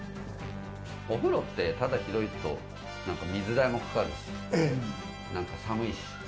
お風呂って、ただ広いと水代もかかるし、寒いし。